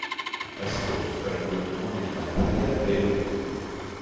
Gastone prende il nome di battaglia "Leone".